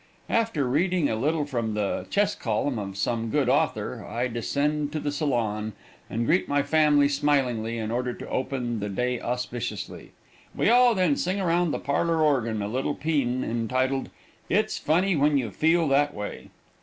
After reading a little from the chess column of some good author, I descend to the salon and greet my family smilingly in order to open the day auspiciously. We all then sing around the parlor organ a little pean entitled, "It's Funny When You Feel That Way."